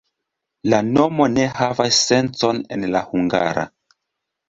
La nomo ne havas sencon en la hungara.